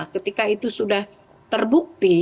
ketika itu sudah terbukti